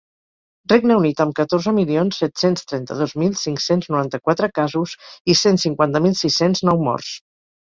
Regne Unit, amb catorze milions set-cents trenta-dos mil cinc-cents noranta-quatre casos i cent cinquanta mil sis-cents nou morts.